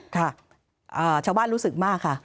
ค่ะชาวบ้านรู้สึกมากค่ะ